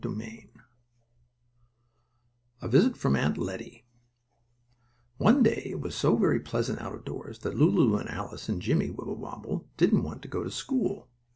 STORY XIII A VISIT FROM AUNT LETTIE One day it was so very pleasant out of doors that Lulu and Alice and Jimmie Wibblewobble didn't want to go to school.